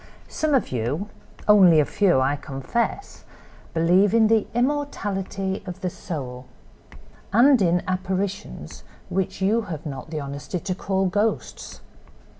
"Some of you—only a few, I confess—believe in the immortality of the soul, and in apparitions which you have not the honesty to call ghosts.